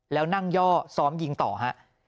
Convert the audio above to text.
แล้วนั่งย่อซ้อมยิงต่อฮะ